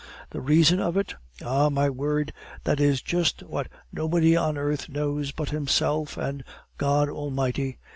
The reason of it? Ah, my word, that is just what nobody on earth knows but himself and God Almighty.